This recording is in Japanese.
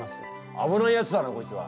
危ないやつだなこいつは。